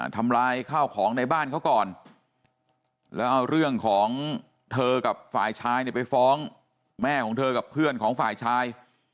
ทำลายข้าวของในบ้านเขาก่อนแล้วเอาเรื่องของเธอกับฝ่ายชายเนี่ยไปฟ้องแม่ของเธอกับเพื่อนของฝ่ายชาย